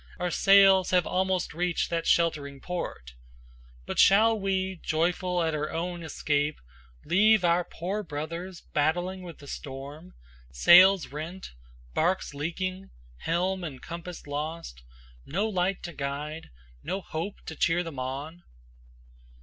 Our sails have almost reached that sheltering port, But shall we, joyful at our own escape, Leave our poor brothers battling with the storm, Sails rent, barks leaking, helm and compass lost, No light to guide, no hope to cheer them on?"